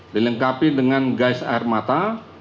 dilengkapi dengan gais air mata